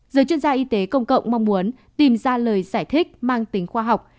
giới chuyên gia y tế công cộng mong muốn tìm ra lời giải thích mang tính khoa học